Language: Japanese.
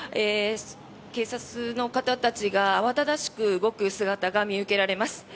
警察の方たちが慌ただしく動く姿が見受けられます。